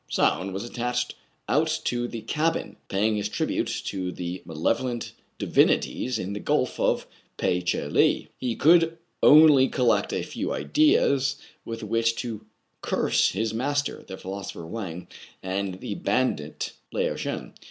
Soun was stretched out in the cabin, paying his tribute to the malevolent divinities in the Gulf of Pe che lee. He could only collect a few ideas with which to curse his master, the philosopher Wang, and the bandit Lao Shen.